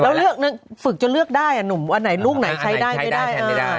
แล้วฝึกจะเลือกได้อ่ะหนุ่มอันไหนลูกไหนใช้ได้ก็ได้